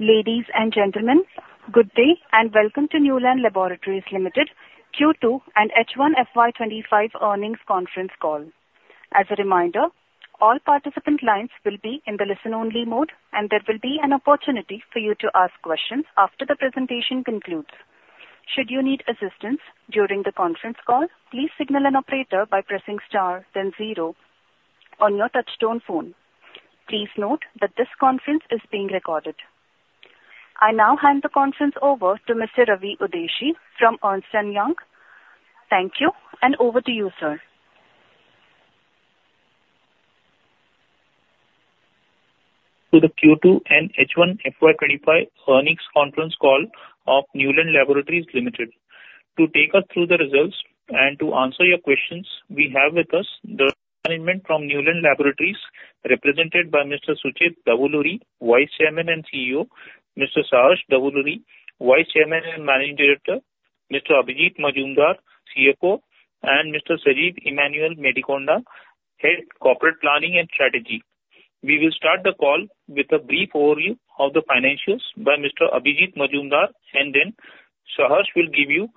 Ladies and gentlemen, good day and welcome to Neuland Laboratories Limited Q2 and H1FY25 Earnings Conference Call. As a reminder, all participant lines will be in the listen-only mode, and there will be an opportunity for you to ask questions after the presentation concludes. Should you need assistance during the conference call, please signal an operator by pressing star, then zero on your touch-tone phone. Please note that this conference is being recorded. I now hand the conference over to Mr. Ravi Udeshi from Ernst & Young. Thank you, and over to you, sir. To the Q2 and H1FY25 earnings conference call of Neuland Laboratories Limited. To take us through the results and to answer your questions, we have with us the management from Neuland Laboratories, represented by Mr. Sucheth Davuluri, Vice Chairman and CEO, Mr. Saharsh Davuluri, Vice Chairman and Managing Director, Mr. Abhijit Majumdar, CFO, and Mr. Sajeev Emmanuel Medikonda, Head of Corporate Planning and Strategy. We will start the call with a brief overview of the financials by Mr. Abhijit Majumdar, and then Saharsh will give you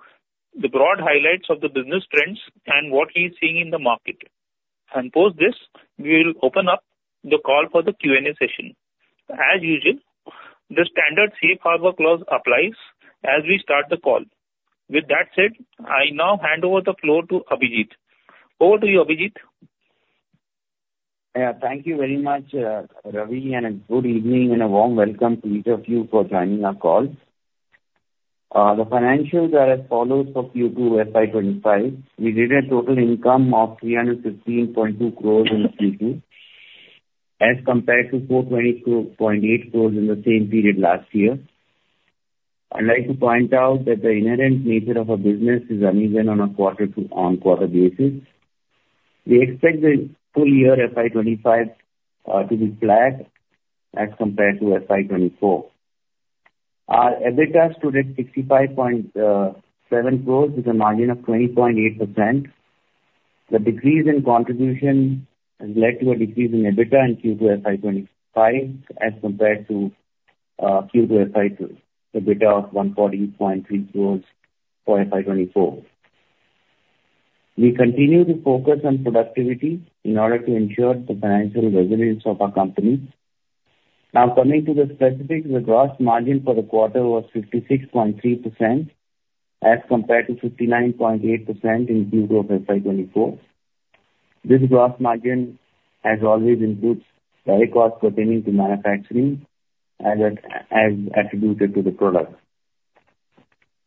the broad highlights of the business trends and what he is seeing in the market. And post this, we will open up the call for the Q&A session. As usual, the standard Safe Harbor clause applies as we start the call. With that said, I now hand over the floor to Abhijit. Over to you, Abhijit. Yeah, thank you very much, Ravi, and a good evening and a warm welcome to each of you for joining our call. The financials are as follows for Q2 FY25. We did a total income of 315.2 crores in Q2 as compared to 422.8 crores in the same period last year. I'd like to point out that the inherent nature of our business is uneven on a quarter-to-quarter basis. We expect the full year FY25 to be flat as compared to FY24. Our EBITDA stood at 65.7 crores with a margin of 20.8%. The decrease in contribution has led to a decrease in EBITDA in Q2 FY25 as compared to Q2 FY24, EBITDA of 140.3 crores for FY24. We continue to focus on productivity in order to ensure the financial resilience of our company. Now, coming to the specifics, the gross margin for the quarter was 56.3% as compared to 59.8% in Q2 of FY24. This gross margin, has always pertaining to manufacturing as attributed to the product.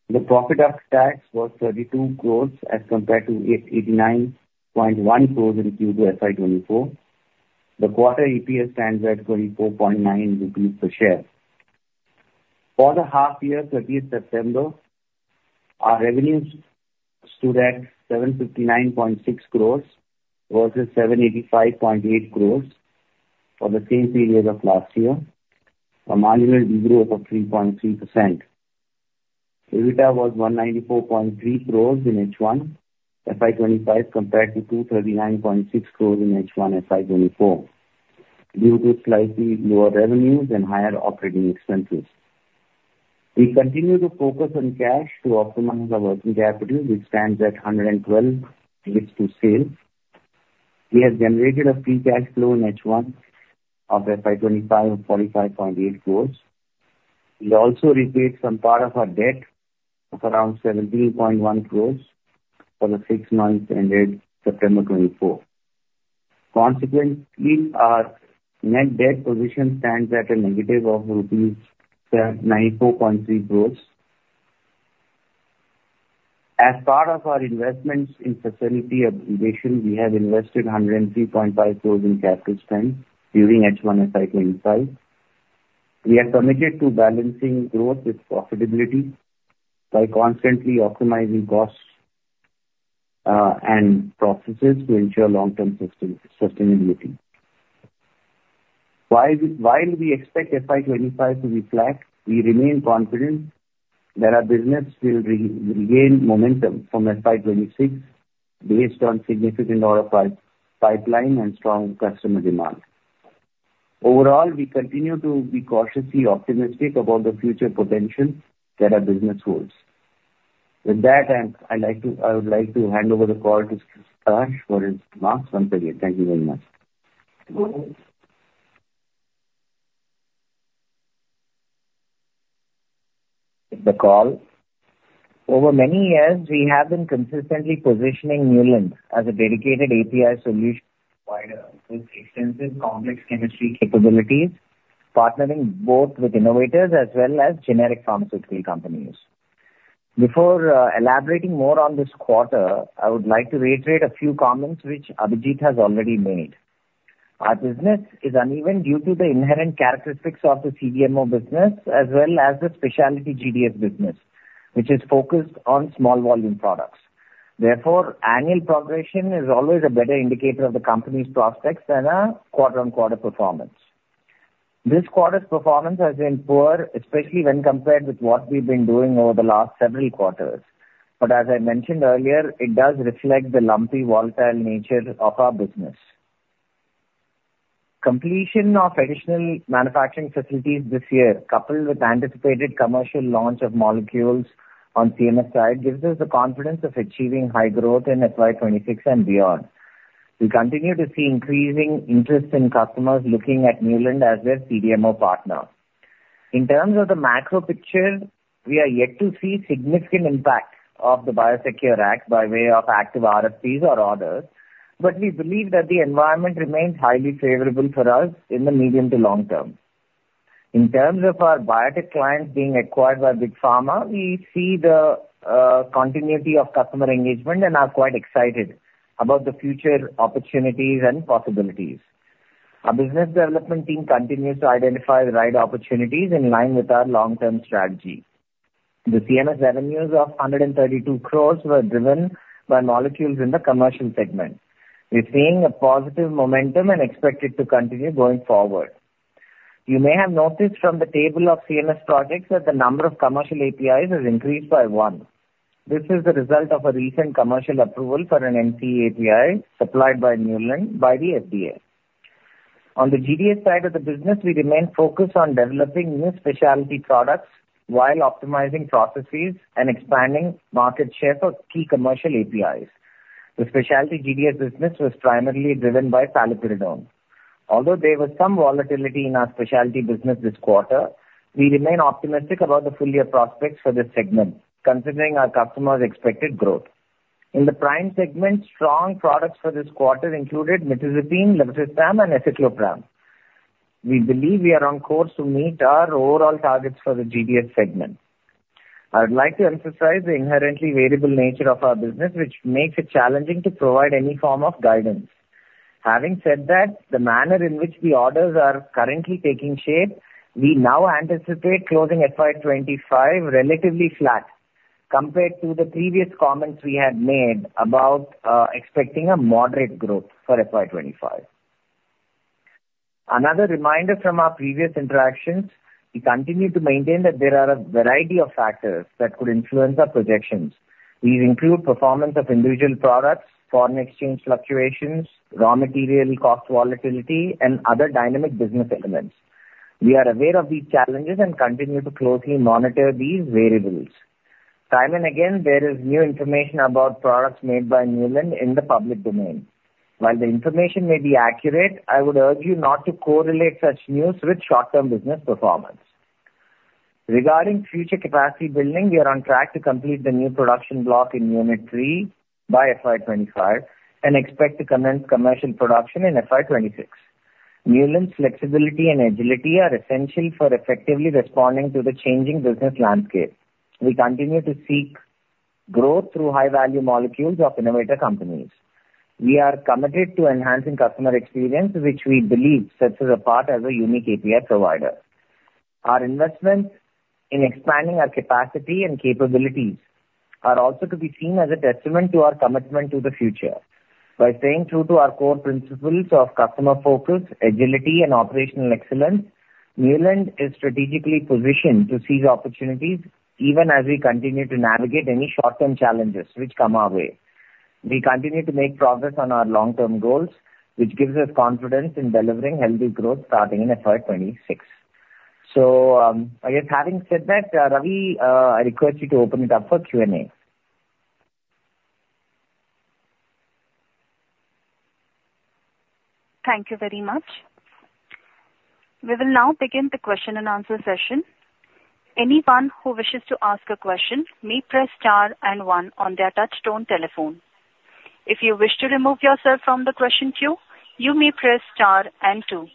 The profit after tax was 32 crores as compared to 89.1 crores in Q2 FY24. The quarter EPS stands at 24.9 rupees per share. For the half-year, 30th September, our revenues stood at 759.6 crores versus 785.8 crores for the same period of last year, a marginal de-growth of 3.3%. EBITDA was 194.3 crores in H1 FY25 compared to 239.6 crores in H1 FY24 due to slightly lower revenues and higher operating expenses. We continue to focus on cash to optimize our working capital, which stands at 112 basis days of sale. We have generated a free cash flow in H1 of FY25 of 45.8 crores. We also repaid some part of our debt of around 17.1 crores for the 6 months ended September 2024. Consequently, our net debt position stands at a negative of 94.3 crores rupees. As part of our investments in facility upgradation, we have invested 103.5 crores in capital spend during H1 FY25. We are committed to balancing growth with profitability by constantly optimizing costs and processes to ensure long-term sustainability. While we expect FY25 to be flat, we remain confident that our business will regain momentum from FY26 based on significant order pipeline and strong customer demand. Overall, we continue to be cautiously optimistic about the future potential that our business holds. With that, I would like to hand over the call to Saharsh for his remarks. One second. Thank you very much. The call. Over many years, we have been consistently positioning Neuland as a dedicated API solution with extensive complex chemistry capabilities, partnering both with innovators as well as generic pharmaceutical companies. Before elaborating more on this quarter, I would like to reiterate a few comments which Abhijit has already made. Our business is uneven due to the inherent characteristics of the CDMO business as well as the specialty GDS business, which is focused on small volume products. Therefore, annual progression is always a better indicator of the company's prospects than a quarter-on-quarter performance. This quarter's performance has been poor, especially when compared with what we've been doing over the last several quarters. But as I mentioned earlier, it does reflect the lumpy, volatile nature of our business. Completion of additional manufacturing facilities this year, coupled with anticipated commercial launch of molecules on CMS side, gives us the confidence of achieving high growth in FY26 and beyond. We continue to see increasing interest in customers looking at Neuland as their CDMO partner. In terms of the macro picture, we are yet to see significant impact of the Biosecure Act by way of active RFPs or orders, but we believe that the environment remains highly favorable for us in the medium to long term. In terms of our biotech clients being acquired by Big Pharma, we see the continuity of customer engagement and are quite excited about the future opportunities and possibilities. Our business development team continues to identify the right opportunities in line with our long-term strategy. The CMS revenues of 132 crores were driven by molecules in the commercial segment. We're seeing a positive momentum and expect it to continue going forward. You may have noticed from the table of CMS projects that the number of commercial APIs has increased by one. This is the result of a recent commercial approval for an NCE API supplied by Neuland by the FDA. On the GDS side of the business, we remain focused on developing new specialty products while optimizing processes and expanding market share for key commercial APIs. The specialty GDS business was primarily driven by salicylic acid. Although there was some volatility in our specialty business this quarter, we remain optimistic about the full year prospects for this segment, considering our customers' expected growth. In the prime segment, strong products for this quarter included metoclopramide, levetiracetam, and escitalopram. We believe we are on course to meet our overall targets for the GDS segment. I would like to emphasize the inherently variable nature of our business, which makes it challenging to provide any form of guidance. Having said that, the manner in which the orders are currently taking shape, we now anticipate closing FY25 relatively flat compared to the previous comments we had made about expecting a moderate growth for FY25. Another reminder from our previous interactions, we continue to maintain that there are a variety of factors that could influence our projections. These include performance of individual products, foreign exchange fluctuations, raw material cost volatility, and other dynamic business elements. We are aware of these challenges and continue to closely monitor these variables. Time and again, there is new information about products made by Neuland in the public domain. While the information may be accurate, I would urge you not to correlate such news with short-term business performance. Regarding future capacity building, we are on track to complete the new production block in Unit 3 by FY25 and expect to commence commercial production in FY26. Neuland's flexibility and agility are essential for effectively responding to the changing business landscape. We continue to seek growth through high-value molecules of innovator companies. We are committed to enhancing customer experience, which we believe sets us apart as a unique API provider. Our investments in expanding our capacity and capabilities are also to be seen as a testament to our commitment to the future. By staying true to our core principles of customer focus, agility, and operational excellence, Neuland is strategically positioned to seize opportunities even as we continue to navigate any short-term challenges which come our way. We continue to make progress on our long-term goals, which gives us confidence in delivering healthy growth starting in FY26. So I guess having said that, Ravi, I request you to open it up for Q&A. Thank you very much. We will now begin the question and answer session. Anyone who wishes to ask a question may press star and one on their touch-tone telephone. If you wish to remove yourself from the question queue, you may press star and two.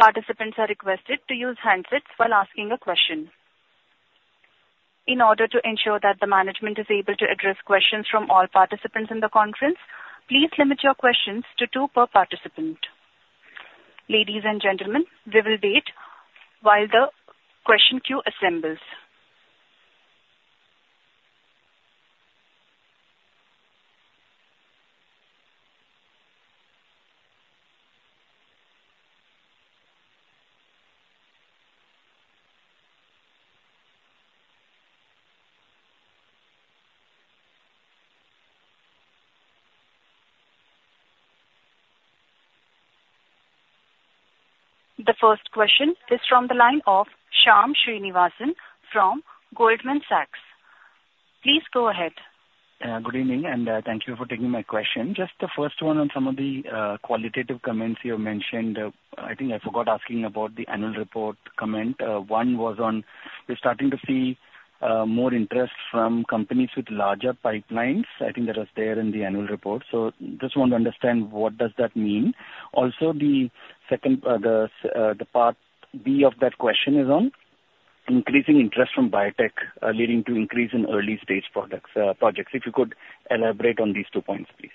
Participants are requested to use handsets while asking a question. In order to ensure that the management is able to address questions from all participants in the conference, please limit your questions to two per participant. Ladies and gentlemen, we will wait while the question queue assembles. The first question is from the line of Shyam Srinivasan from Goldman Sachs. Please go ahead. Good evening, and thank you for taking my question. Just the first one on some of the qualitative comments you have mentioned. I think I forgot asking about the annual report comment. One was on we're starting to see more interest from companies with larger pipelines. I think that was there in the annual report. So just want to understand what does that mean. Also, the second, the part B of that question is on increasing interest from biotech leading to increase in early stage projects. If you could elaborate on these two points, please.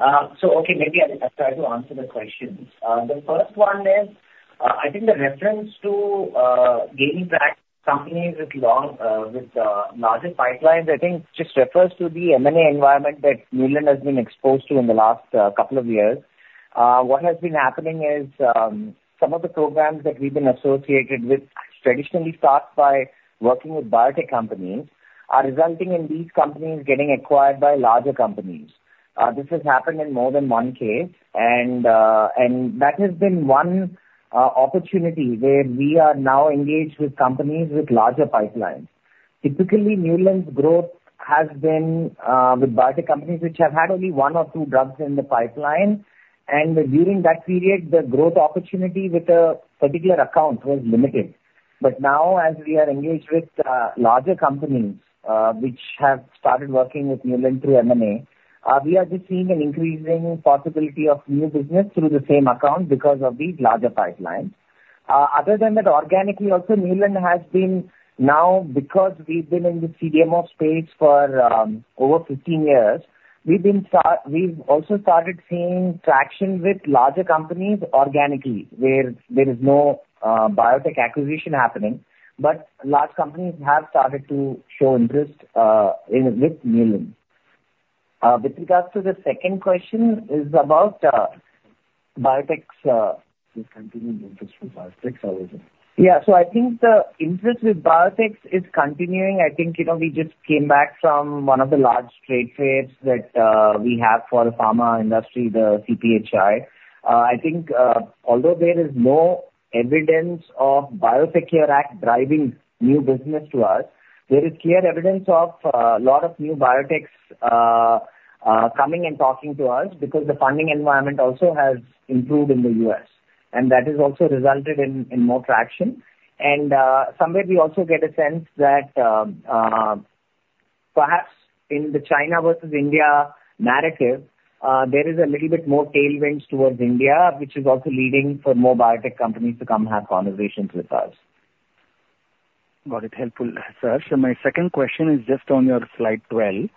Okay. So okay, maybe I'll try to answer the questions. The first one is, I think the reference to gaining back companies with larger pipelines. I think just refers to the M&A environment that Neuland has been exposed to in the last couple of years. What has been happening is some of the programs that we've been associated with traditionally start by working with biotech companies are resulting in these companies getting acquired by larger companies. This has happened in more than one case, and that has been one opportunity where we are now engaged with companies with larger pipelines. Typically, Neuland's growth has been with biotech companies which have had only one or two drugs in the pipeline, and during that period, the growth opportunity with a particular account was limited. But now, as we are engaged with larger companies which have started working with Neuland through M&A, we are just seeing an increasing possibility of new business through the same account because of these larger pipelines. Other than that, organically, also Neuland has been now, because we've been in the CDMO space for over 15 years, we've also started seeing traction with larger companies organically, where there is no biotech acquisition happening, but large companies have started to show interest with Neuland. With regards to the second question, it's about biotechs. Yeah, so I think the interest with biotechs is continuing. I think we just came back from one of the large trade fairs that we have for the pharma industry, the CPHI. I think although there is no evidence of Biosecure Act driving new business to us, there is clear evidence of a lot of new biotechs coming and talking to us because the funding environment also has improved in the U.S., and that has also resulted in more traction. Somewhere we also get a sense that perhaps in the China versus India narrative, there is a little bit more tailwinds towards India, which is also leading for more biotech companies to come have conversations with us. Got it. Helpful, sir. My second question is just on your slide 12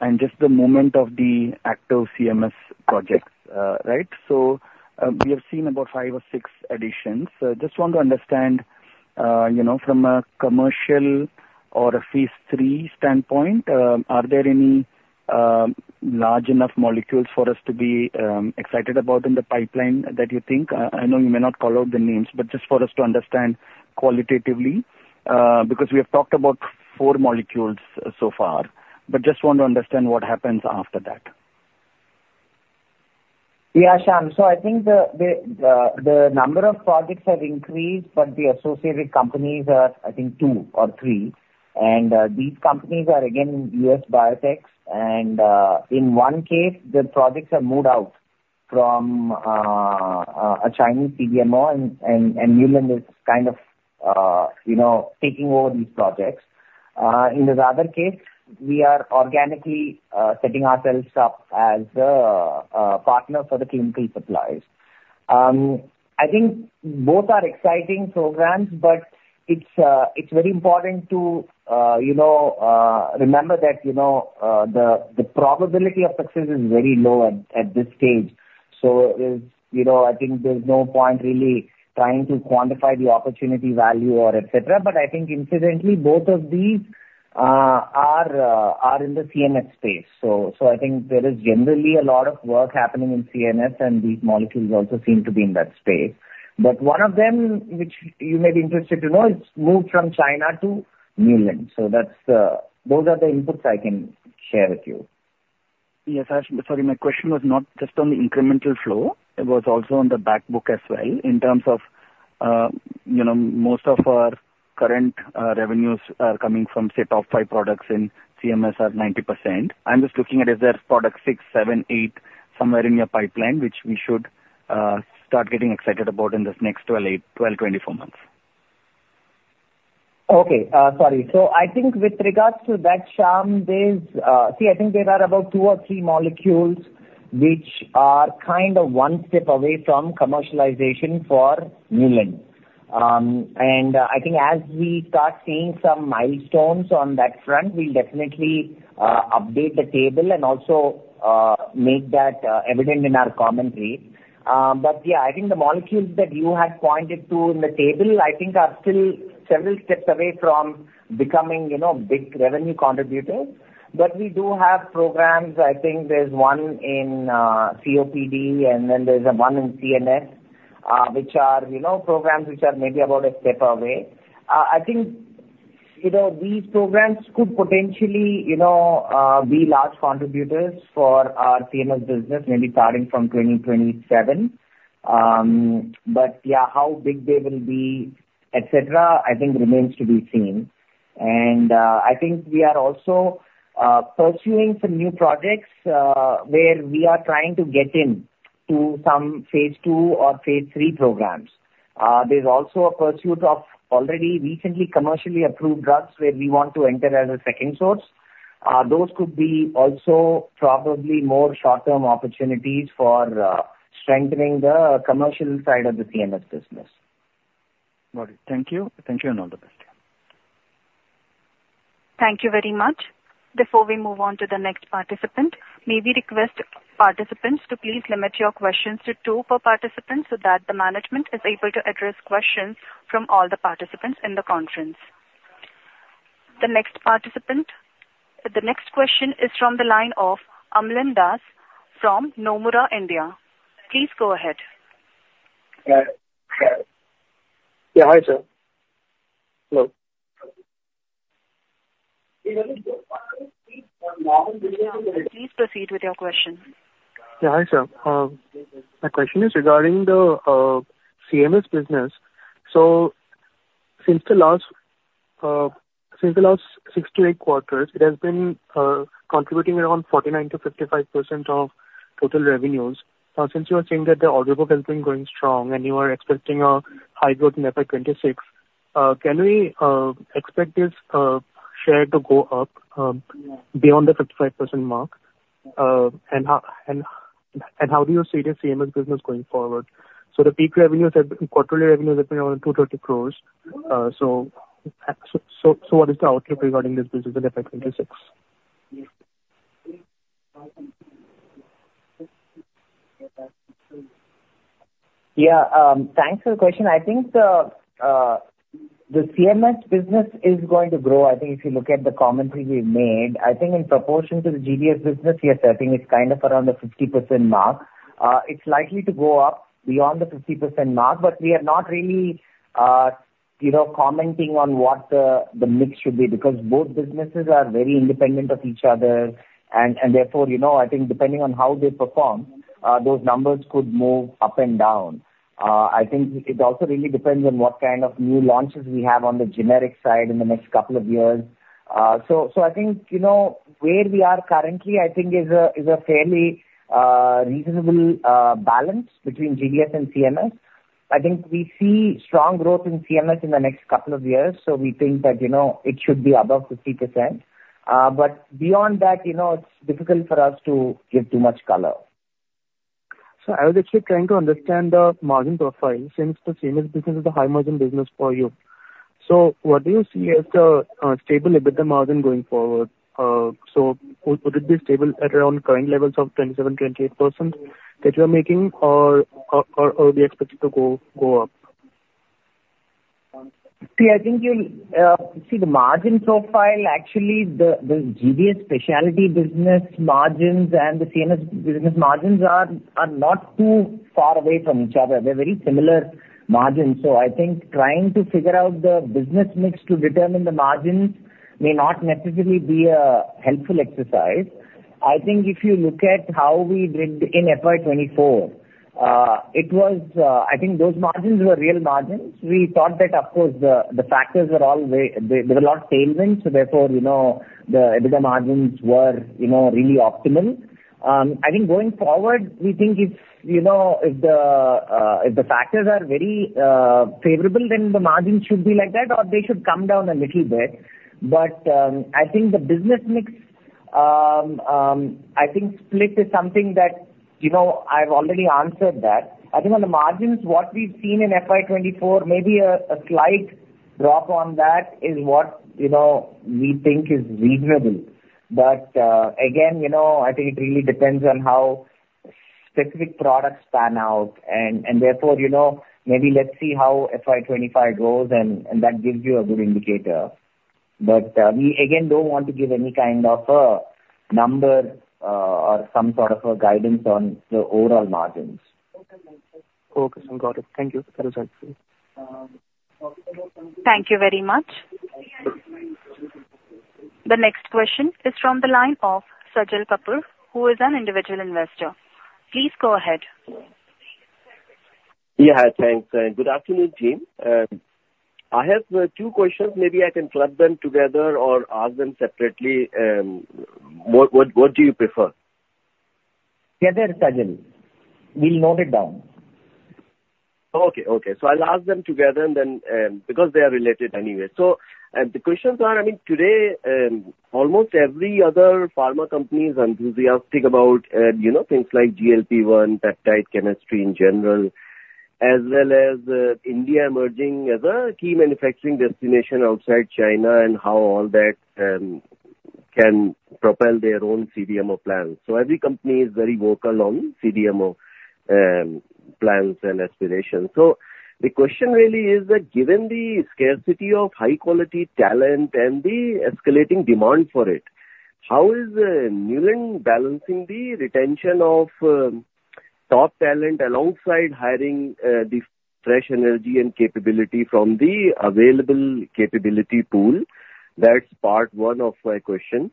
and just the number of the active CMS projects, right? We have seen about five or six additions. I just want to understand from a commercial or a phase three standpoint, are there any large enough molecules for us to be excited about in the pipeline that you think? I know you may not call out the names, but just for us to understand qualitatively, because we have talked about four molecules so far, but just want to understand what happens after that. Yeah, Shyam. So I think the number of projects have increased, but the associated companies are, I think, two or three. And these companies are, again, U.S. biotechs. And in one case, the projects are moved out from a Chinese CDMO, and Neuland is kind of taking over these projects. In the other case, we are organically setting ourselves up as a partner for the clinical suppliers. I think both are exciting programs, but it's very important to remember that the probability of success is very low at this stage. So I think there's no point really trying to quantify the opportunity value or etc. But I think incidentally, both of these are in the CMS space. So I think there is generally a lot of work happening in CMS, and these molecules also seem to be in that space. But one of them, which you may be interested to know, is moved from China to Neuland. So those are the inputs I can share with you. Yes, sorry, my question was not just on the incremental flow. It was also on the backbook as well. In terms of most of our current revenues are coming from, say, top five products in CMS at 90%. I'm just looking at if there's product six, seven, eight somewhere in your pipeline, which we should start getting excited about in the next 12 to 24 months. Okay. Sorry. So I think with regards to that, Shyam, see, I think there are about two or three molecules which are kind of one step away from commercialization for Neuland. And I think as we start seeing some milestones on that front, we'll definitely update the table and also make that evident in our commentary. But yeah, I think the molecules that you had pointed to in the table, I think are still several steps away from becoming big revenue contributors. But we do have programs. I think there's one in COPD, and then there's one in CNS, which are programs which are maybe about a step away. I think these programs could potentially be large contributors for our CMS business, maybe starting from 2027. But yeah, how big they will be, etc., I think remains to be seen. I think we are also pursuing some new projects where we are trying to get into some phase two or phase three programs. There's also a pursuit of already recently commercially approved drugs where we want to enter as a second source. Those could be also probably more short-term opportunities for strengthening the commercial side of the CMS business. Got it. Thank you. Thank you and all the best. Thank you very much. Before we move on to the next participant, may we request participants to please limit your questions to two per participant so that the management is able to address questions from all the participants in the conference? The next question is from the line of Amlan Das from Nomura India. Please go ahead. Yeah, hi sir. Hello. Please proceed with your question. Yeah, hi sir. My question is regarding the CMS business. So since the last six to eight quarters, it has been contributing around 49%-55% of total revenues. Now, since you are saying that the order book has been going strong and you are expecting a high growth in FY26, can we expect this share to go up beyond the 55% mark? And how do you see the CMS business going forward? So the peak quarterly revenues have been around 230 crores. So what is the outlook regarding this business in FY26? Yeah, thanks for the question. I think the CMS business is going to grow. I think if you look at the commentary we've made, I think in proportion to the GDS business, yes, I think it's kind of around the 50% mark. It's likely to go up beyond the 50% mark, but we are not really commenting on what the mix should be because both businesses are very independent of each other. And therefore, I think depending on how they perform, those numbers could move up and down. I think it also really depends on what kind of new launches we have on the generic side in the next couple of years. So I think where we are currently, I think, is a fairly reasonable balance between GDS and CMS. I think we see strong growth in CMS in the next couple of years, so we think that it should be above 50%. But beyond that, it's difficult for us to give too much color. I was actually trying to understand the margin profile since the CMS business is a high-margin business for you. What do you see as the stable EBITDA margin going forward? Would it be stable at around current levels of 27%-28% that you are making, or will it be expected to go up? See, I think you'll see the margin profile, actually, the GDS specialty business margins and the CMS business margins are not too far away from each other. They're very similar margins. So I think trying to figure out the business mix to determine the margins may not necessarily be a helpful exercise. I think if you look at how we did in FY24, I think those margins were real margins. We thought that, of course, the factors were all there. There were a lot of tailwinds, so therefore the EBITDA margins were really optimal. I think going forward, we think if the factors are very favorable, then the margins should be like that, or they should come down a little bit. But I think the business mix, I think split is something that I've already answered that. I think on the margins, what we've seen in FY24, maybe a slight drop on that is what we think is reasonable. But again, I think it really depends on how specific products pan out, and therefore maybe let's see how FY25 goes, and that gives you a good indicator. But we, again, don't want to give any kind of a number or some sort of a guidance on the overall margins. Okay. Got it. Thank you. That was helpful. Thank you very much. The next question is from the line of Sajal Kapoor, who is an individual investor. Please go ahead. Yeah, thanks. Good afternoon, team. I have two questions. Maybe I can club them together or ask them separately. What do you prefer? Together, Sajal. We'll note it down. Okay. So I'll ask them together because they are related anyway. So the questions are, I mean, today, almost every other pharma company is enthusiastic about things like GLP-1, peptide chemistry in general, as well as India emerging as a key manufacturing destination outside China and how all that can propel their own CDMO plans. So every company is very vocal on CDMO plans and aspirations. So the question really is that given the scarcity of high-quality talent and the escalating demand for it, how is Neuland balancing the retention of top talent alongside hiring the fresh energy and capability from the available capability pool? That's part one of my question.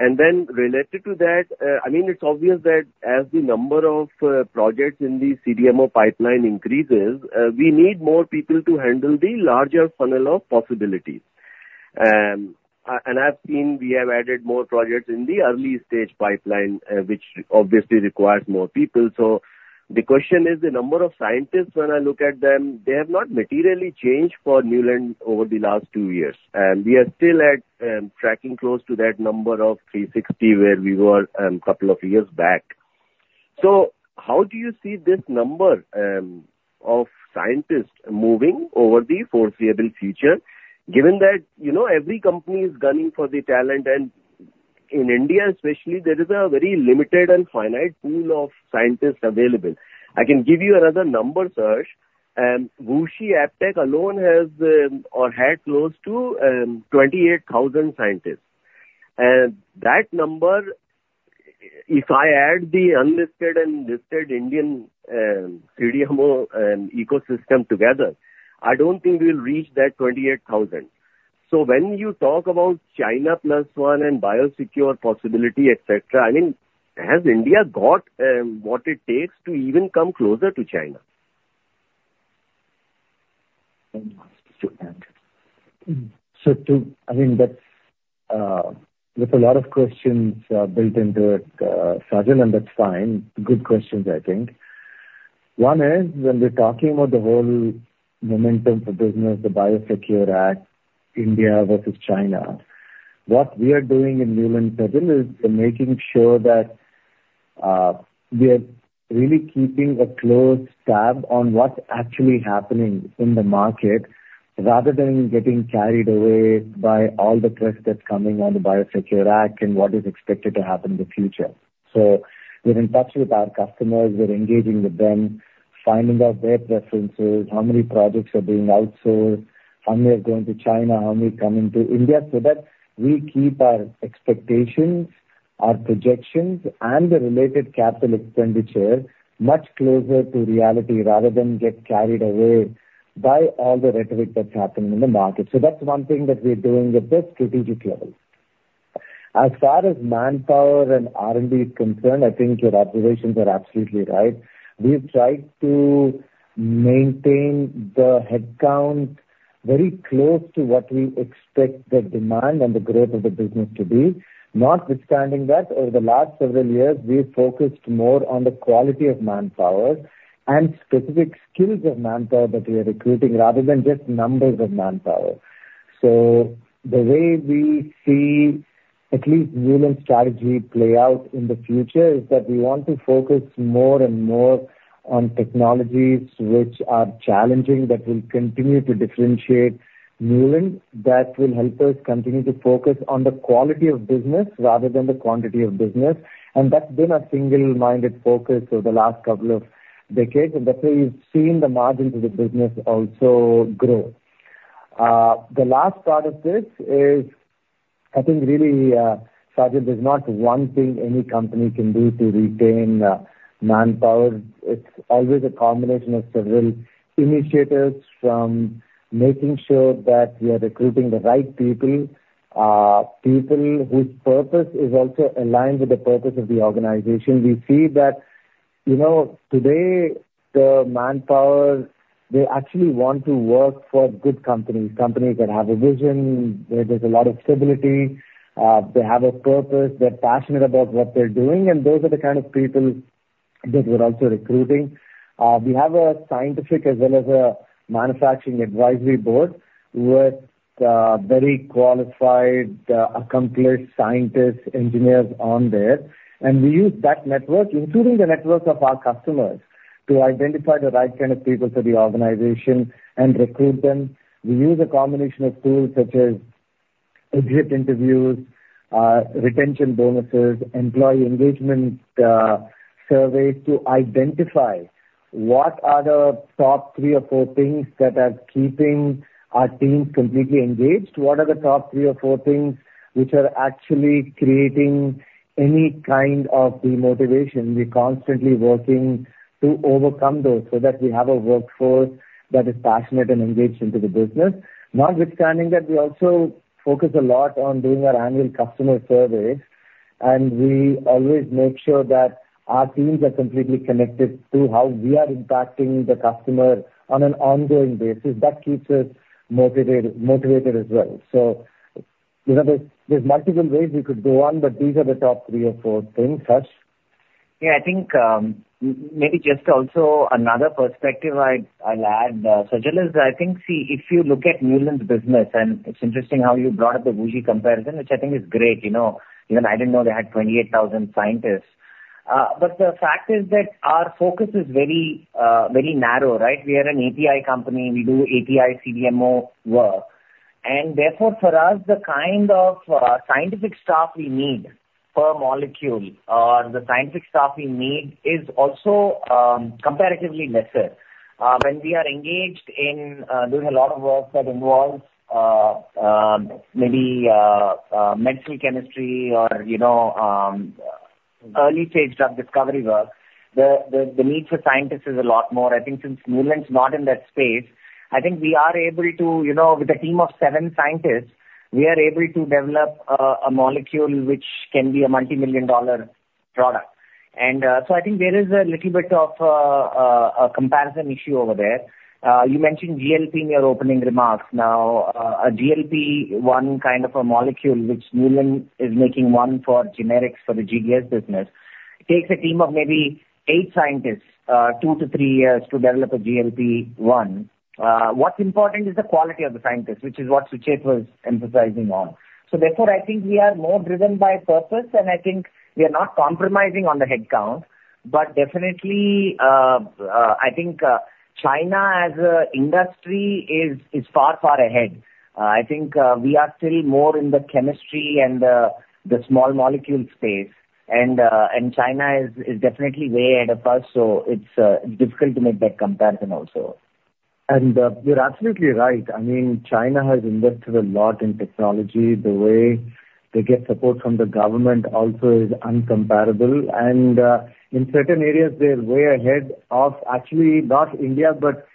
And then related to that, I mean, it's obvious that as the number of projects in the CDMO pipeline increases, we need more people to handle the larger funnel of possibilities. I've seen we have added more projects in the early stage pipeline, which obviously requires more people. So the question is the number of scientists. When I look at them, they have not materially changed for Neuland over the last two years. And we are still tracking close to that number of 360 where we were a couple of years back. So how do you see this number of scientists moving over the foreseeable future, given that every company is gunning for the talent? And in India especially, there is a very limited and finite pool of scientists available. I can give you another number, Saj. WuXi AppTec alone has or had close to 28,000 scientists. And that number, if I add the unlisted and listed Indian CDMO ecosystem together, I don't think we'll reach that 28,000. So when you talk about China plus one and Biosecure possibility, etc., I mean, has India got what it takes to even come closer to China? So I mean, there's a lot of questions built into it, Sajal, and that's fine. Good questions, I think. One is when we're talking about the whole momentum for business, the Biosecure Act, India versus China, what we are doing in Neuland is making sure that we are really keeping a close tab on what's actually happening in the market rather than getting carried away by all the press that's coming on the Biosecure Act and what is expected to happen in the future. So we're in touch with our customers. We're engaging with them, finding out their preferences, how many projects are being outsourced, how many are going to China, how many are coming to India, so that we keep our expectations, our projections, and the related capital expenditure much closer to reality rather than get carried away by all the rhetoric that's happening in the market. That's one thing that we're doing at the strategic level. As far as manpower and R&D is concerned, I think your observations are absolutely right. We've tried to maintain the headcount very close to what we expect the demand and the growth of the business to be. Notwithstanding that, over the last several years, we've focused more on the quality of manpower and specific skills of manpower that we are recruiting rather than just numbers of manpower. The way we see at least Neuland's strategy play out in the future is that we want to focus more and more on technologies which are challenging that will continue to differentiate Neuland that will help us continue to focus on the quality of business rather than the quantity of business. That's been our single-minded focus over the last couple of decades. And that's where we've seen the margins of the business also grow. The last part of this is, I think really, Sajal, there's not one thing any company can do to retain manpower. It's always a combination of several initiatives from making sure that we are recruiting the right people, people whose purpose is also aligned with the purpose of the organization. We see that today, the manpower, they actually want to work for good companies, companies that have a vision, where there's a lot of stability, they have a purpose, they're passionate about what they're doing. And those are the kind of people that we're also recruiting. We have a scientific as well as a manufacturing advisory board with very qualified, accomplished scientists, engineers on there. We use that network, including the network of our customers, to identify the right kind of people for the organization and recruit them. We use a combination of tools such as exit interviews, retention bonuses, employee engagement surveys to identify what are the top three or four things that are keeping our teams completely engaged. What are the top three or four things which are actually creating any kind of demotivation? We're constantly working to overcome those so that we have a workforce that is passionate and engaged into the business. Notwithstanding that we also focus a lot on doing our annual customer surveys, and we always make sure that our teams are completely connected to how we are impacting the customer on an ongoing basis. That keeps us motivated as well. So there's multiple ways we could go on, but these are the top three or four things, Saj. Yeah, I think maybe just also another perspective I'll add, Sajal, is I think, see, if you look at Neuland's business, and it's interesting how you brought up the WuXi comparison, which I think is great. Even I didn't know they had 28,000 scientists. But the fact is that our focus is very narrow, right? We are an API company. We do API CDMO work. And therefore, for us, the kind of scientific staff we need per molecule or the scientific staff we need is also comparatively lesser. When we are engaged in doing a lot of work that involves maybe medicinal chemistry or early-stage drug discovery work, the need for scientists is a lot more. I think since Neuland's not in that space, I think we are able to, with a team of seven scientists, we are able to develop a molecule which can be a multi-million dollar product. And so I think there is a little bit of a comparison issue over there. You mentioned GLP in your opening remarks. Now, a GLP-1 kind of a molecule which Neuland is making one for generics for the GDS business takes a team of maybe eight scientists, two to three years, to develop a GLP-1. What's important is the quality of the scientists, which is what Sajeev was emphasizing on. So therefore, I think we are more driven by purpose, and I think we are not compromising on the headcount. But definitely, I think China as an industry is far, far ahead. I think we are still more in the chemistry and the small molecule space, and China is definitely way ahead of us, so it's difficult to make that comparison also. You're absolutely right. I mean, China has invested a lot in technology. The way they get support from the government also is incomparable. And in certain areas, they're way ahead of actually not India, but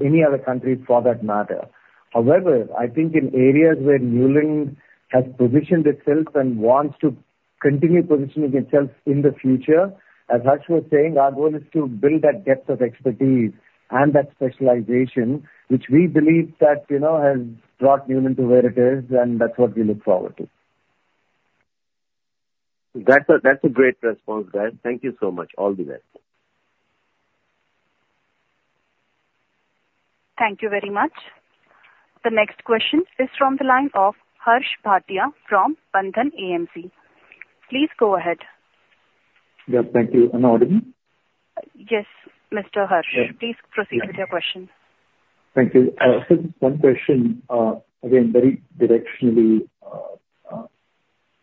any other country for that matter. However, I think in areas where Neuland has positioned itself and wants to continue positioning itself in the future, as Saj was saying, our goal is to build that depth of expertise and that specialization, which we believe that has brought Neuland to where it is, and that's what we look forward to. That's a great response, guys. Thank you so much. All the best. Thank you very much. The next question is from the line of Harsh Bhatia from Bandhan AMC. Please go ahead. Yes, thank you. And the audience? Yes, Mr. Harsh. Yes. Please proceed with your question. Thank you. Just one question. Again, very directionally,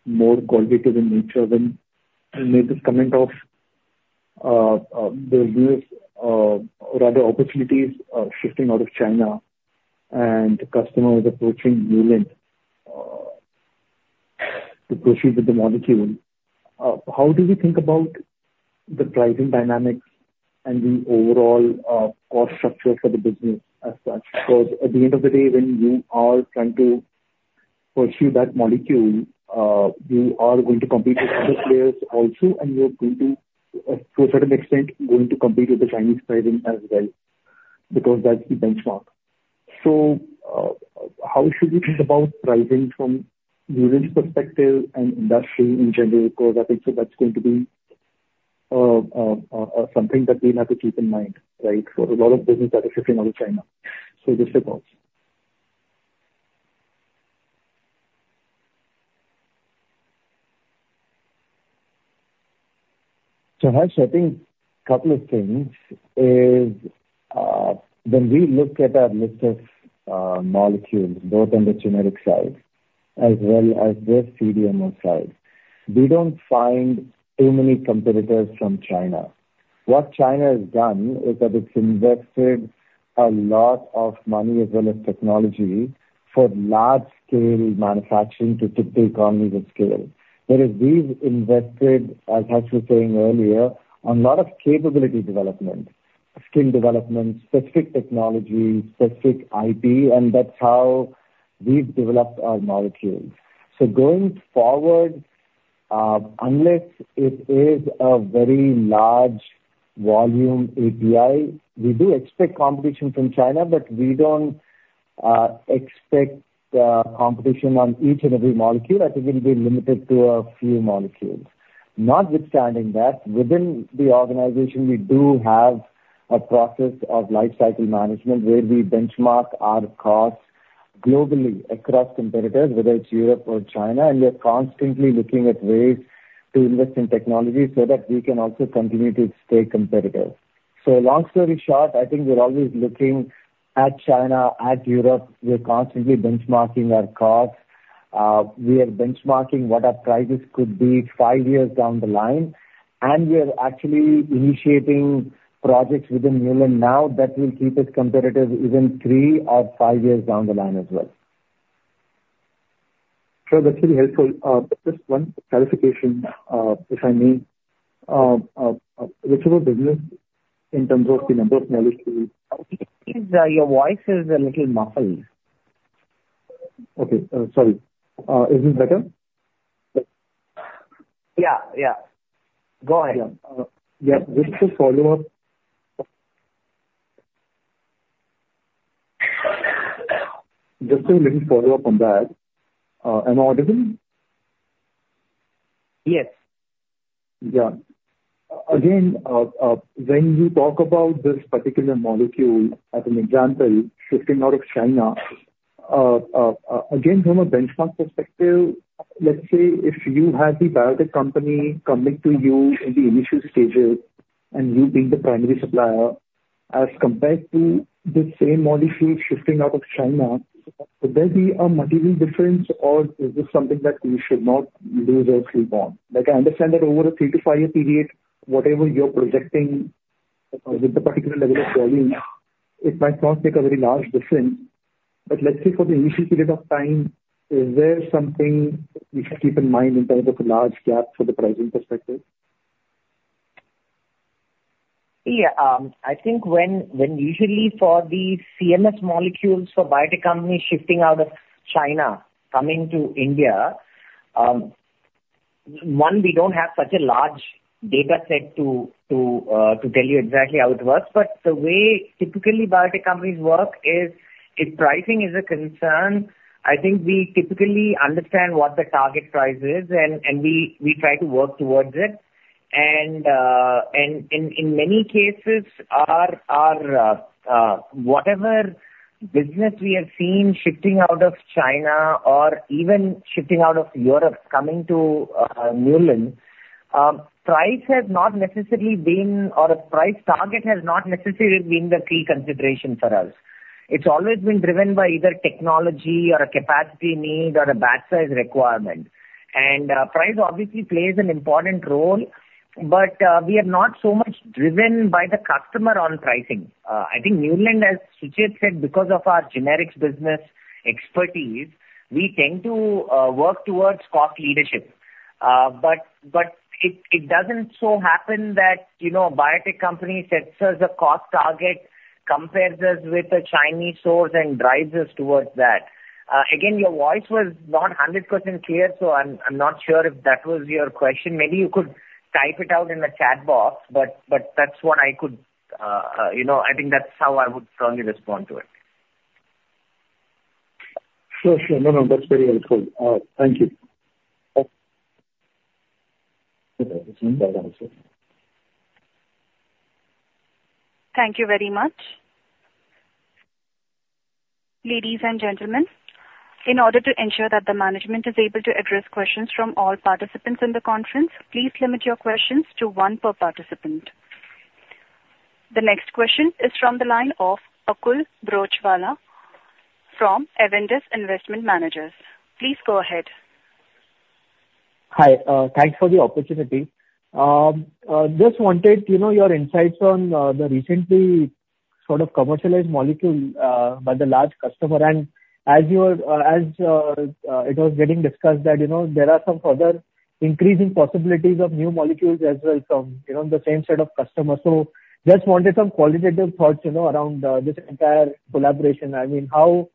more qualitative in nature, when you made this comment of there are rather opportunities shifting out of China and the customer is approaching Neuland to proceed with the molecule. How do you think about the pricing dynamics and the overall cost structure for the business as such? Because at the end of the day, when you are trying to pursue that molecule, you are going to compete with other players also, and you are going to, to a certain extent, going to compete with the Chinese pricing as well because that's the benchmark. So how should you think about pricing from Neuland's perspective and industry in general? Because I think that's going to be something that we'll have to keep in mind, right, for a lot of businesses that are shifting out of China. So just your thoughts. Harsh, I think a couple of things is when we look at our list of molecules, both on the generic side as well as the CDMO side, we don't find too many competitors from China. What China has done is that it's invested a lot of money as well as technology for large-scale manufacturing to tip the economy with scale. That is, we've invested, as Saj was saying earlier, on a lot of capability development, skill development, specific technology, specific IP, and that's how we've developed our molecules. Going forward, unless it is a very large volume API, we do expect competition from China, but we don't expect competition on each and every molecule. I think it'll be limited to a few molecules. Notwithstanding that, within the organization, we do have a process of life cycle management where we benchmark our costs globally across competitors, whether it's Europe or China, and we're constantly looking at ways to invest in technology so that we can also continue to stay competitive, so long story short, I think we're always looking at China, at Europe. We're constantly benchmarking our costs. We are benchmarking what our prices could be five years down the line, and we're actually initiating projects within Neuland now that will keep us competitive even three or five years down the line as well. Saj, that's really helpful. Just one clarification, if I may. Which of our business, in terms of the number of molecules? Your voice is a little muffled. Okay. Sorry. Is this better? Yeah, yeah. Go ahead. Yeah. Just to follow up. Just a little follow-up on that. Am I audible? Yes. Yeah. Again, when you talk about this particular molecule, as an example, shifting out of China, again, from a benchmark perspective, let's say if you had the biotech company coming to you in the initial stages and you being the primary supplier, as compared to the same molecule shifting out of China, would there be a material difference, or is this something that we should not lose our sleep on? I understand that over a three- to five-year period, whatever you're projecting with the particular level of volume, it might not make a very large difference. But let's say for the initial period of time, is there something we should keep in mind in terms of a large gap for the pricing perspective? Yeah. I think when usually for the CMS molecules for biotech companies shifting out of China coming to India, one, we don't have such a large data set to tell you exactly how it works. But the way typically biotech companies work is if pricing is a concern, I think we typically understand what the target price is, and we try to work towards it. And in many cases, whatever business we have seen shifting out of China or even shifting out of Europe coming to Neuland, price has not necessarily been or a price target has not necessarily been the key consideration for us. It's always been driven by either technology or a capacity need or a batch size requirement. And price obviously plays an important role, but we are not so much driven by the customer on pricing. I think Neuland, as Sucheth said, because of our generics business expertise, we tend to work towards cost leadership. But it doesn't so happen that a biotech company sets us a cost target, compares us with a Chinese source, and drives us towards that. Again, your voice was not 100% clear, so I'm not sure if that was your question. Maybe you could type it out in the chat box, but that's what I could. I think that's how I would probably respond to it. Sure, sure. No, no. That's very helpful. Thank you. Thank you very much. Ladies and gentlemen, in order to ensure that the management is able to address questions from all participants in the conference, please limit your questions to one per participant. The next question is from the line of Akul Broachwala from Avendus Capital. Please go ahead. Hi. Thanks for the opportunity. Just wanted your insights on the recently sort of commercialized molecule by the large customer, and as it was getting discussed, there are some further increasing possibilities of new molecules as well from the same set of customers, so just wanted some qualitative thoughts around this entire collaboration. I mean, how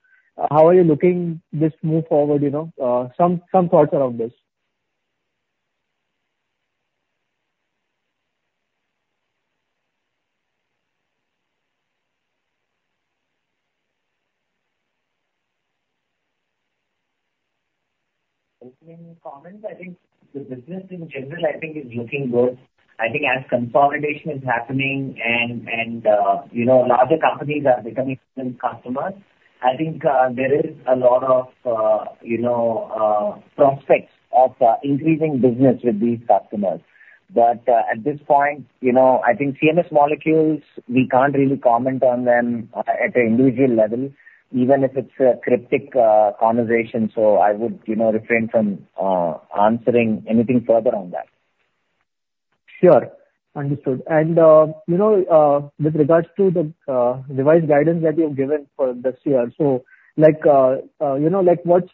are you looking this move forward? Some thoughts around this. Any comments? I think the business in general, I think, is looking good. I think as consolidation is happening and larger companies are becoming customers, I think there is a lot of prospects of increasing business with these customers. But at this point, I think CMS molecules, we can't really comment on them at an individual level, even if it's a cryptic conversation. So I would refrain from answering anything further on that. Sure. Understood. And with regard to the revenue guidance that you've given for this year, so what's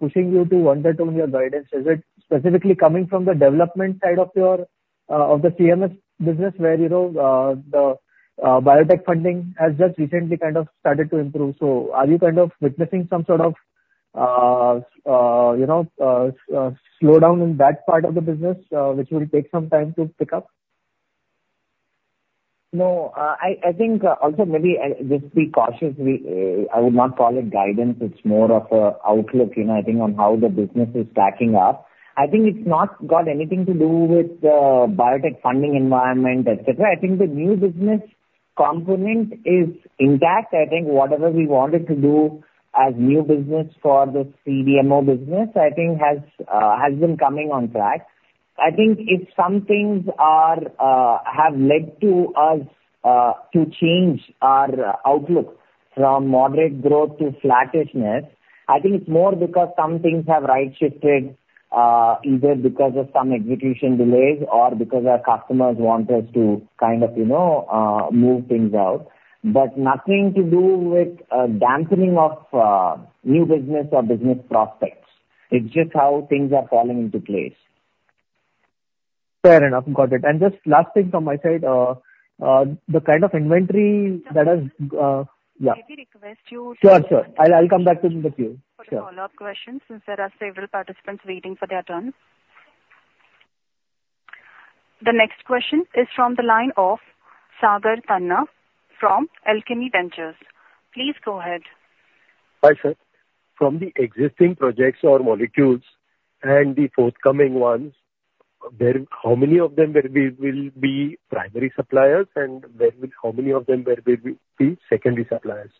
pushing you to under room your guidance? Is it specifically coming from the development side of the CMS business where the biotech funding has just recently kind of started to improve? So are you kind of witnessing some sort of slowdown in that part of the business, which will take some time to pick up? No. I think also maybe just be cautious. I would not call it guidance. It's more of an outlook, I think, on how the business is stacking up. I think it's not got anything to do with the biotech funding environment, etc. I think the new business component is intact. I think whatever we wanted to do as new business for the CDMO business, I think has been coming on track. I think if some things have led to us to change our outlook from moderate growth to flattishness, I think it's more because some things have right-shifted, either because of some execution delays or because our customers want us to kind of move things out. But nothing to do with a dampening of new business or business prospects. It's just how things are falling into place. Fair enough. Got it. And just last thing from my side, the kind of inventory that has. May we request you to. Sure, sure. I'll come back to the queue. For the follow-up questions, since there are several participants waiting for their turn. The next question is from the line of Sagar Tanna from Alchemy Ventures. Please go ahead. Hi, sir. From the existing projects or molecules and the forthcoming ones, how many of them will be primary suppliers, and how many of them will be secondary suppliers?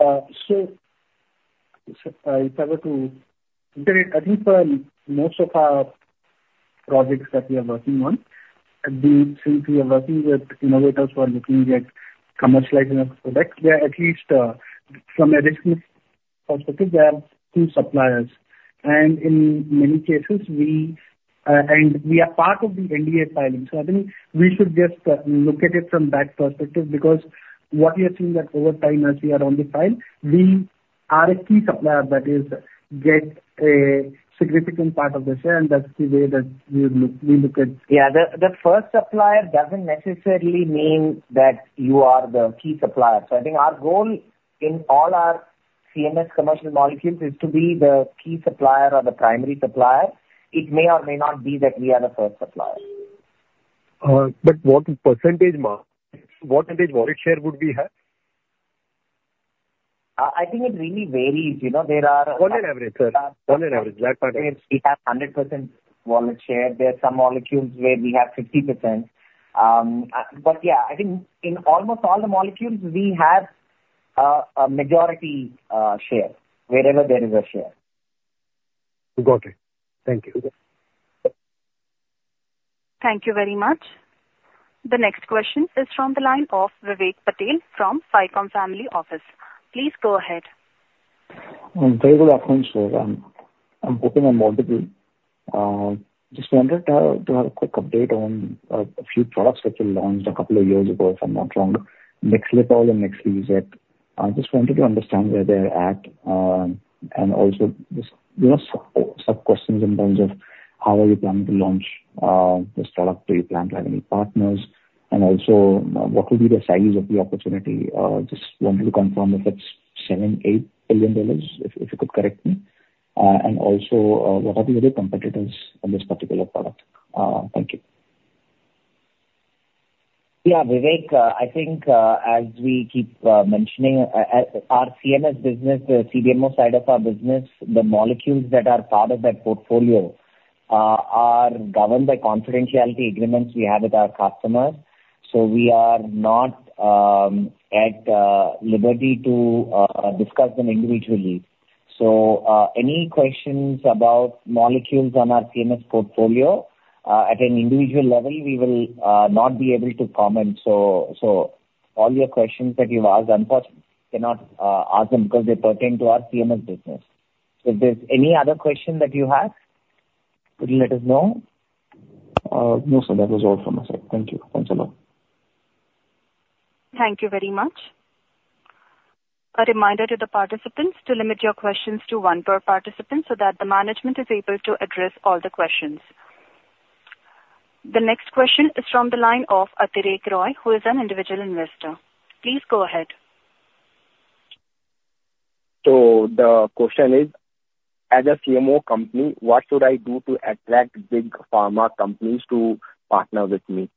I think for most of our projects that we are working on, since we are working with innovators who are looking at commercializing our products, there are at least from a risk perspective two suppliers, and in many cases, we are part of the NDA filing, so I think we should just look at it from that perspective because what we are seeing that over time as we are on the file, we are a key supplier that is getting a significant part of the share, and that's the way that we look at. Yeah. The first supplier doesn't necessarily mean that you are the key supplier. So I think our goal in all our CMS commercial molecules is to be the key supplier or the primary supplier. It may or may not be that we are the first supplier. But what percentage mark, what percentage wallet share would we have? I think it really varies. There are. On an average, sir. On an average. That part. We have 100% wallet share. There are some molecules where we have 50%. But yeah, I think in almost all the molecules, we have a majority share wherever there is a share. Got it. Thank you. Thank you very much. The next question is from the line of Vivek Patel from Ficom Family Office. Please go ahead. I'm very good at things, sir. I'm hoping I'm audible. Just wanted to have a quick update on a few products that were launched a couple of years ago, if I'm not wrong, Nexletol and Nexlizet. I just wanted to understand where they're at and also just some questions in terms of how are you planning to launch this product? Do you plan to have any partners? And also, what will be the size of the opportunity? Just wanted to confirm if it's $7 billion -$8 billion, if you could correct me. And also, what are the other competitors on this particular product? Thank you. Yeah. Vivek, I think as we keep mentioning, our CMS business, the CDMO side of our business, the molecules that are part of that portfolio are governed by confidentiality agreements we have with our customers. So we are not at liberty to discuss them individually. So any questions about molecules on our CMS portfolio at an individual level, we will not be able to comment. So all your questions that you've asked, unfortunately, we cannot answer them because they pertain to our CMS business. If there's any other question that you have, please let us know. No, sir. That was all from my side. Thank you. Thanks a lot. Thank you very much. A reminder to the participants to limit your questions to one per participant so that the management is able to address all the questions. The next question is from the line of Atirek Roy, who is an individual investor. Please go ahead. So the question is, as a CMO company, what should I do to attract big pharma companies to partner with me?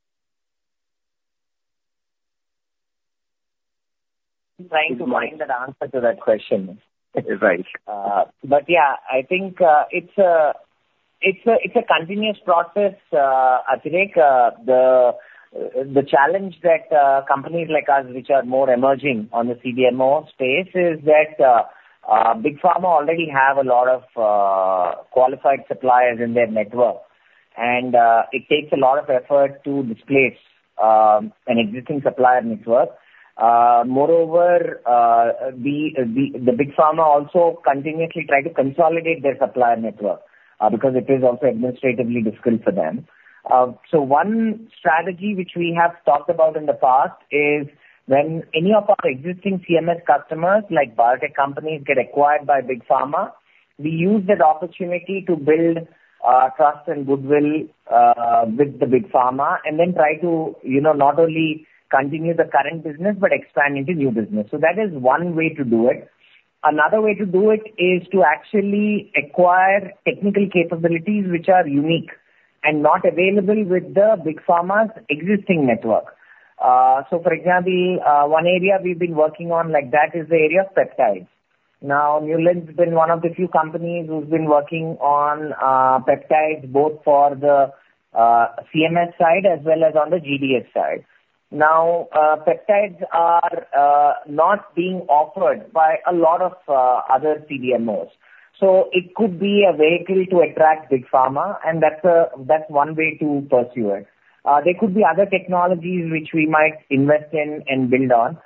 Trying to find an answer to that question. Right. But yeah, I think it's a continuous process, Atirek. The challenge that companies like us, which are more emerging on the CDMO space, is that big pharma already have a lot of qualified suppliers in their network. And it takes a lot of effort to displace an existing supplier network. Moreover, the big pharma also continuously try to consolidate their supplier network because it is also administratively difficult for them. So one strategy which we have talked about in the past is when any of our existing CMS customers, like biotech companies, get acquired by big pharma, we use that opportunity to build trust and goodwill with the big pharma and then try to not only continue the current business but expand into new business. So that is one way to do it. Another way to do it is to actually acquire technical capabilities which are unique and not available with the big pharma's existing network. So for example, one area we've been working on like that is the area of peptides. Now, Neuland has been one of the few companies who's been working on peptides both for the CMS side as well as on the GDS side. Now, peptides are not being offered by a lot of other CDMOs. So it could be a vehicle to attract big pharma, and that's one way to pursue it. There could be other technologies which we might invest in and build on.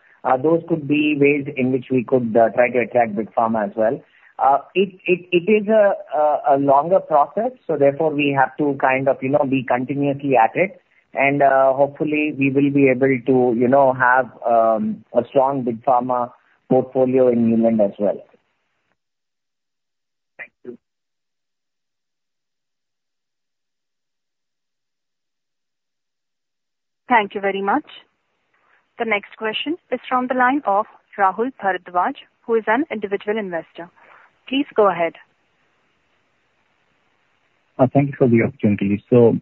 Those could be ways in which we could try to attract big pharma as well. It is a longer process, so therefore we have to kind of be continuously at it. Hopefully, we will be able to have a strong big pharma portfolio in Neuland as well. Thank you. Thank you very much. The next question is from the line of Rahul Bharadwaj, who is an individual investor. Please go ahead. Thank you for the opportunity. So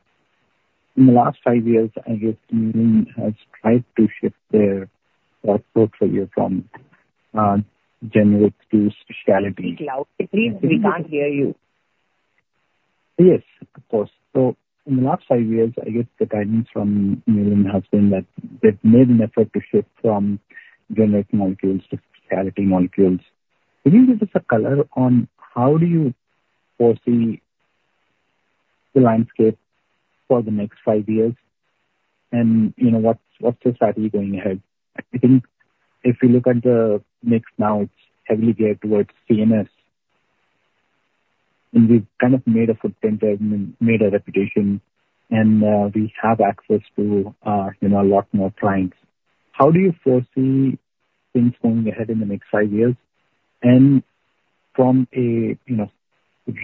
in the last five years, I guess Neuland has tried to shift their portfolio from generic to specialty. Cloud. We can't hear you. Yes, of course. So in the last five years, I guess the guidance from Neuland has been that they've made an effort to shift from generic molecules to specialty molecules. Do you think this is a color on how do you foresee the landscape for the next five years? And what's the strategy going ahead? I think if we look at the mix now, it's heavily geared towards CMS. And we've kind of made a footprint and made a reputation, and we have access to a lot more clients. How do you foresee things going ahead in the next five years? And from a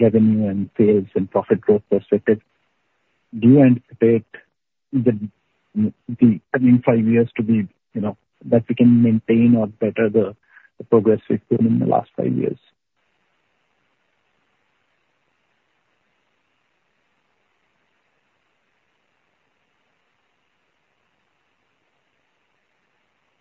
revenue and sales and profit growth perspective, do you anticipate the coming five years to be that we can maintain or better the progress we've seen in the last five years?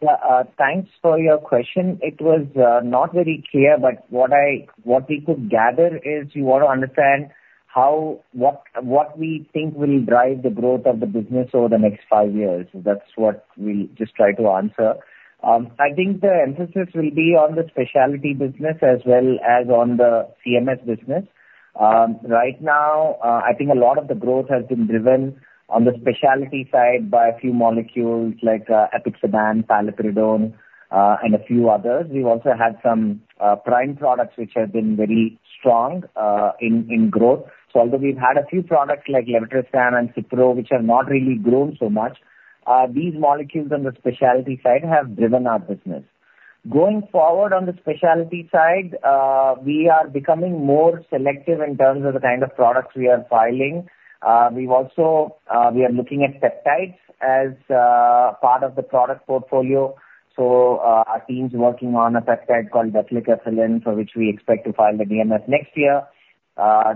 Yeah. Thanks for your question. It was not very clear, but what we could gather is you want to understand what we think will drive the growth of the business over the next five years. That's what we just tried to answer. I think the emphasis will be on the specialty business as well as on the CMS business. Right now, I think a lot of the growth has been driven on the specialty side by a few molecules like Apixaban, Paliperidone, and a few others. We've also had some prime products which have been very strong in growth. So although we've had a few products like Levetiracetam and Cipro, which have not really grown so much, these molecules on the specialty side have driven our business. Going forward on the specialty side, we are becoming more selective in terms of the kind of products we are filing. We are looking at peptides as part of the product portfolio. So our team's working on a peptide called Difelikefalin, for which we expect to file the DMF next year.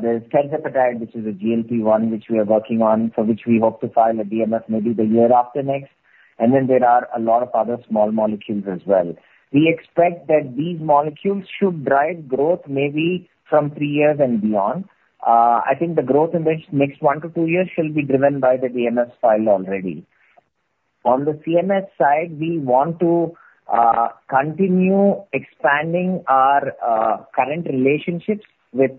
There's tirzepatide, which is a GLP-1, which we are working on, for which we hope to file a DMF maybe the year after next, and then there are a lot of other small molecules as well. We expect that these molecules should drive growth maybe from three years and beyond. I think the growth in the next one to two years should be driven by the DMFs filed already. On the CMS side, we want to continue expanding our current relationships with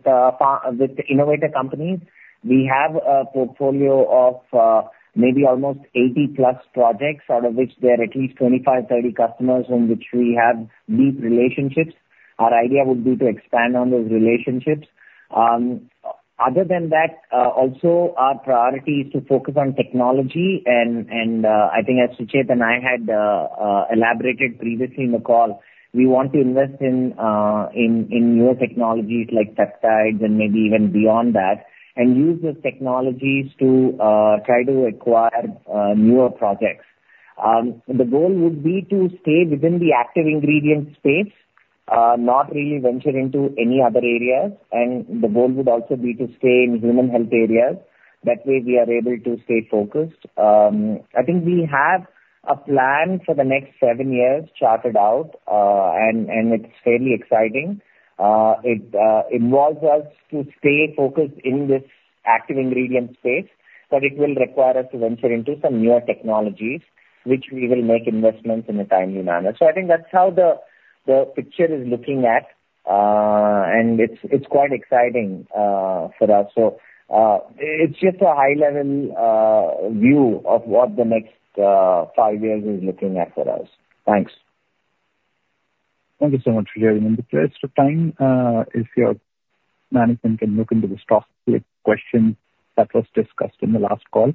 innovator companies. We have a portfolio of maybe almost 80-plus projects, out of which there are at least 25-30 customers on which we have deep relationships. Our idea would be to expand on those relationships. Other than that, also, our priority is to focus on technology. I think as Sucheth and I had elaborated previously in the call, we want to invest in newer technologies like peptides and maybe even beyond that and use those technologies to try to acquire newer projects. The goal would be to stay within the active ingredient space, not really venture into any other areas, and the goal would also be to stay in human health areas. That way, we are able to stay focused. I think we have a plan for the next seven years charted out, and it's fairly exciting. It involves us to stay focused in this active ingredient space, but it will require us to venture into some newer technologies, which we will make investments in a timely manner, so I think that's how the picture is looking at, and it's quite exciting for us. So it's just a high-level view of what the next five years is looking at for us. Thanks. Thank you so much for sharing. In the interest of time, if your management can look into the stock, the question that was discussed in the last call,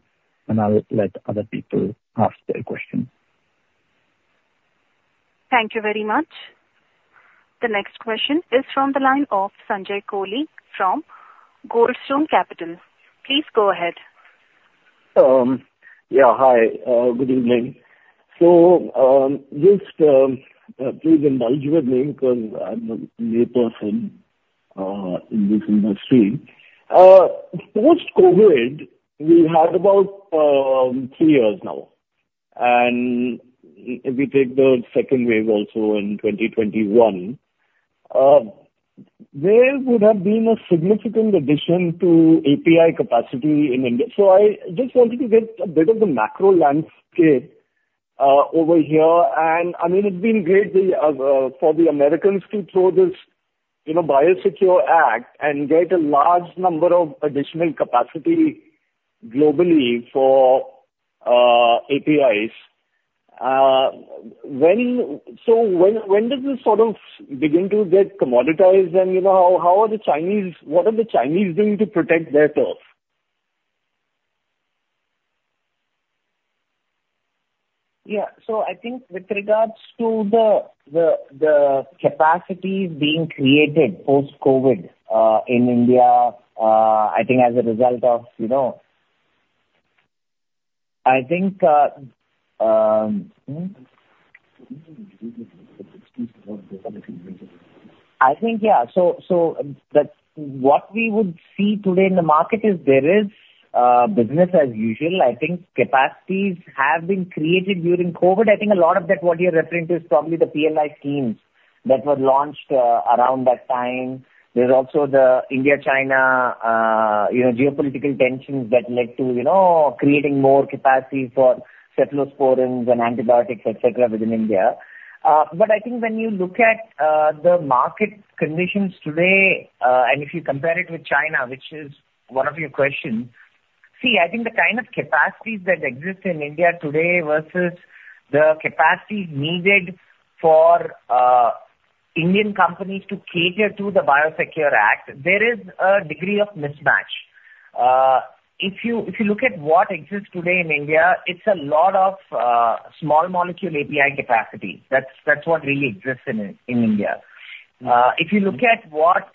and I'll let other people ask their questions. Thank you very much. The next question is from the line of Sanjay Kohli from Goldstone Capital. Please go ahead. Yeah. Hi. Good evening. So just please indulge with me because I'm a layperson in this industry. Post-COVID, we had about three years now. And if we take the second wave also in 2021, there would have been a significant addition to API capacity in India. So I just wanted to get a bit of the macro landscape over here. And I mean, it's been great for the Americans to throw this Biosecure Act and get a large number of additional capacity globally for APIs. So when does this sort of begin to get commoditized? And how are the Chinese - what are the Chinese doing to protect their turf? Yeah. I think with regards to the capacity being created post-COVID in India, I think as a result of the PLI schemes that were launched around that time. There is also the India-China geopolitical tensions that led to creating more capacity for cephalosporins and antibiotics, etc., within India. But I think when you look at the market conditions today, and if you compare it with China, which is one of your questions, I think the kind of capacities that exist in India today versus the capacity needed for Indian companies to cater to the Biosecure Act, there is a degree of mismatch. If you look at what exists today in India, it's a lot of small molecule API capacity. That's what really exists in India. If you look at what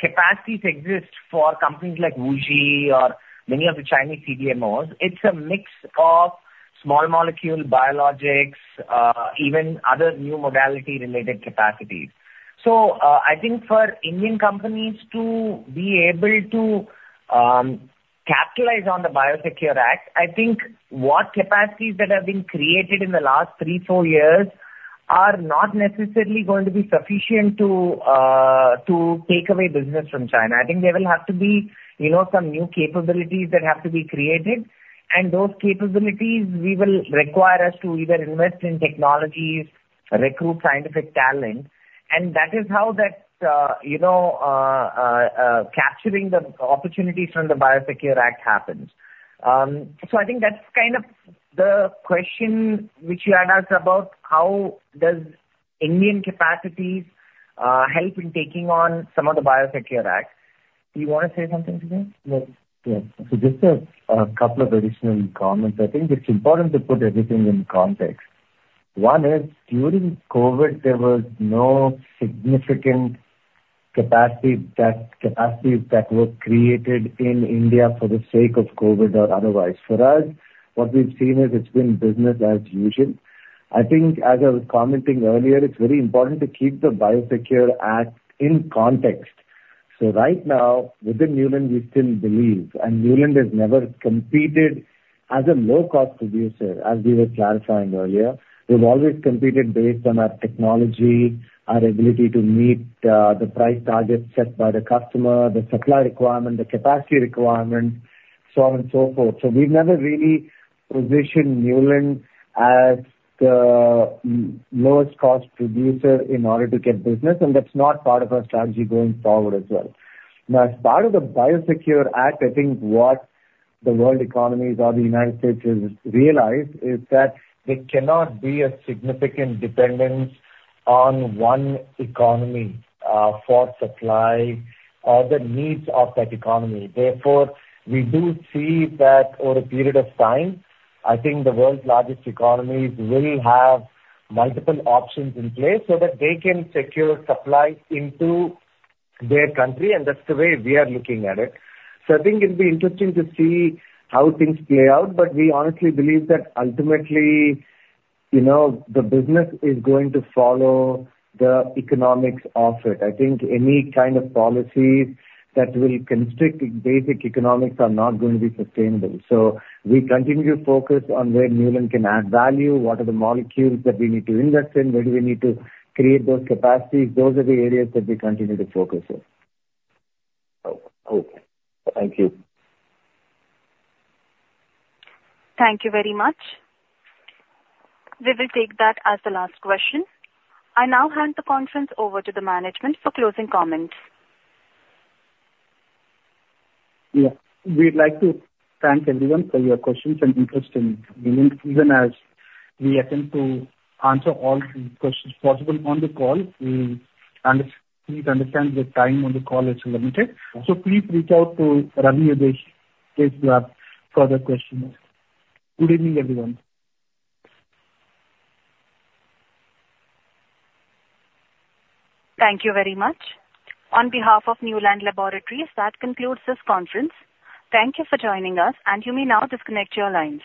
capacities exist for companies like WuXi or many of the Chinese CDMOs, it's a mix of small molecule biologics, even other new modality-related capacities. So I think for Indian companies to be able to capitalize on the Biosecure Act, I think what capacities that have been created in the last three, four years are not necessarily going to be sufficient to take away business from China. I think there will have to be some new capabilities that have to be created. And those capabilities will require us to either invest in technologies, recruit scientific talent. And that is how that capturing the opportunities from the Biosecure Act happens. So I think that's kind of the question which you had asked about how does Indian capacities help in taking on some of the Biosecure Act? Do you want to say something to that? Yes. So just a couple of additional comments. I think it's important to put everything in context. One is, during COVID, there was no significant capacity that was created in India for the sake of COVID or otherwise. For us, what we've seen is it's been business as usual. I think, as I was commenting earlier, it's very important to keep the Biosecure Act in context. So right now, within Neuland, we still believe, and Neuland has never competed as a low-cost producer, as we were clarifying earlier. We've always competed based on our technology, our ability to meet the price targets set by the customer, the supply requirement, the capacity requirement, so on and so forth. So we've never really positioned Neuland as the lowest-cost producer in order to get business. And that's not part of our strategy going forward as well. Now, as part of the Biosecure Act, I think what the world economies or the United States has realized is that there cannot be a significant dependence on one economy for supply or the needs of that economy. Therefore, we do see that over a period of time, I think the world's largest economies will have multiple options in place so that they can secure supplies into their country, and that's the way we are looking at it, so I think it'll be interesting to see how things play out, but we honestly believe that ultimately, the business is going to follow the economics of it. I think any kind of policies that will constrict basic economics are not going to be sustainable. So we continue to focus on where Neuland can add value, what are the molecules that we need to invest in, where do we need to create those capacities. Those are the areas that we continue to focus on. Okay. Thank you. Thank you very much. We will take that as the last question. I now hand the conference over to the management for closing comments. Yeah. We'd like to thank everyone for your questions and interest in Neuland. Even as we attempt to answer all questions possible on the call, we need to understand the time on the call is limited. So please reach out to Ravi Udeshi if you have further questions. Good evening, everyone. Thank you very much. On behalf of Neuland Laboratories, that concludes this conference. Thank you for joining us, and you may now disconnect your lines.